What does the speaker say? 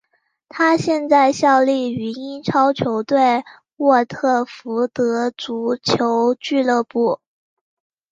他现在效力于英超球队沃特福德足球俱乐部。